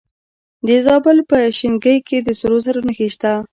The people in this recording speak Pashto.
د زابل په شنکۍ کې د سرو زرو نښې شته.